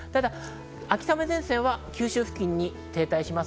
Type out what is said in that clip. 秋雨前線は九州付近に停滞します。